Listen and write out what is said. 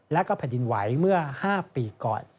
และก็แผ่นดินไหวเมื่อ๕ปีก่อน